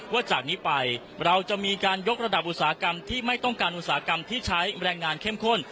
ว่าจากนี้ไปเราจะมีการยกระดับอุตสาหกรรมที่ไม่ต้องการอุตสาหกรรมที่ใช้แรงงานเข้มข้น